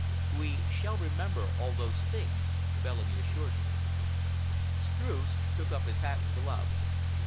"We shall remember all those things," Bellamy assured him. Streuss took up his hat and gloves.